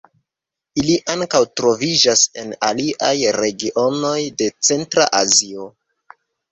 Ili ankaŭ troviĝas en aliaj regionoj de Centra Azio.